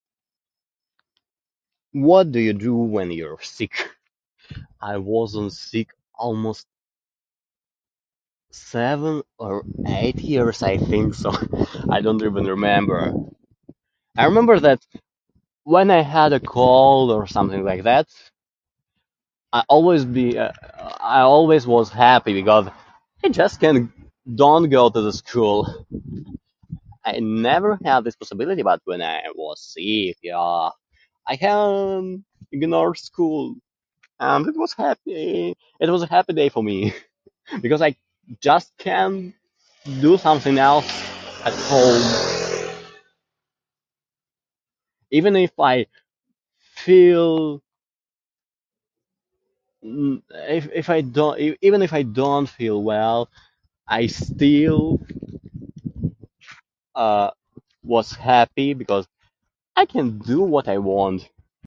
What do you do when you're sick? I wasn't sick almost... seven, or eight years, I think? So, I don't even remember. I remember that when I had a cold or something like that, I always be... I always was happy because I just can don't go to the school. I never have a disability but when I was a sick, yeah. I, um, in our school and it was happy, it was a happy day for me. Because I just can do something else at home. Even if I feel... if if I don't... e- even if I don't feel well, I still, uh, was happy, because I can do what I want.